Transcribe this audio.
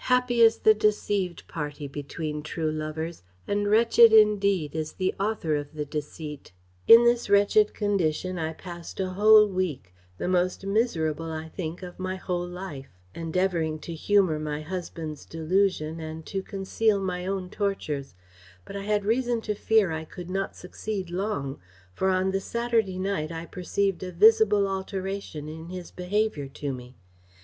happy is the deceived party between true lovers, and wretched indeed is the author of the deceit! "In this wretched condition I passed a whole week, the most miserable I think of my whole life, endeavouring to humour my husband's delusion and to conceal my own tortures; but I had reason to fear I could not succeed long, for on the Saturday night I perceived a visible alteration in his behaviour to me.